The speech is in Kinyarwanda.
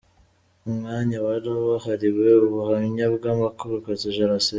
Umwanya wari wahariwe ubuhamya bw'abarokotse Jenoside.